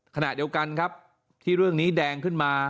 ขณะเดียวกันครับที่เรื่องนี้แดงขึ้นมา